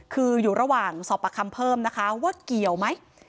คืออยู่ระหว่างสอบประคำเพิ่มนะคะว่าเกี่ยวไหม